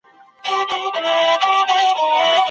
څه شی د کرنیزو محصولاتو د کیفیت په ښه والي کي مرسته کوي؟